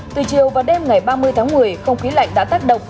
từ chiều và đêm ngày ba mươi tháng một mươi không khí lạnh đã tác động